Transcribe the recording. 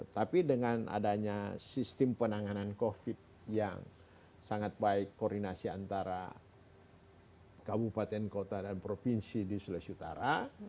tapi dengan adanya sistem penanganan covid yang sangat baik koordinasi antara kabupaten kota dan provinsi di sulawesi utara